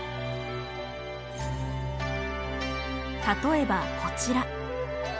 例えばこちら。